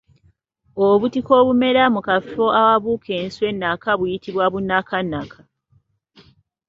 Obutiko obumera mu kafo awabuuka enswa ennaka buyitibwa obunakanaka.